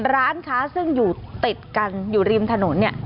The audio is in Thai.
ร้านค้าซึ่งอยู่ติดกันอยู่ริมถนนเนี่ย